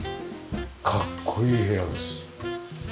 かっこいい部屋です。